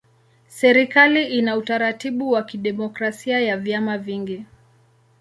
Serikali ina utaratibu wa kidemokrasia ya vyama vingi.